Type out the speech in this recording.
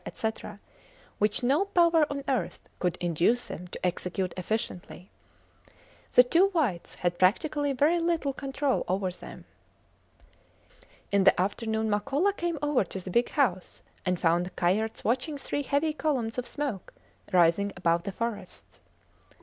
&c., which no power on earth could induce them to execute efficiently. The two whites had practically very little control over them. In the afternoon Makola came over to the big house and found Kayerts watching three heavy columns of smoke rising above the forests.